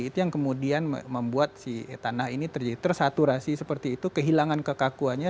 itu yang kemudian membuat si tanah ini terjadi tersaturasi seperti itu kehilangan kekakuannya